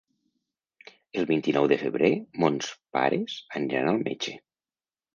El vint-i-nou de febrer mons pares aniran al metge.